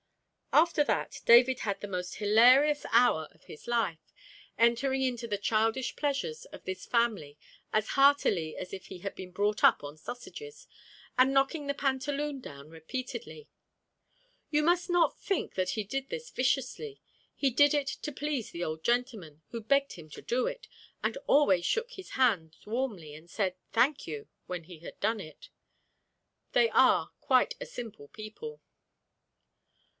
After that, David had the most hilarious hour of his life, entering into the childish pleasures of this family as heartily as if he had been brought up on sausages, and knocking the pantaloon down repeatedly. You must not think that he did this viciously; he did it to please the old gentleman, who begged him to do it, and always shook hands warmly and said "Thank you," when he had done it. They are quite a simple people.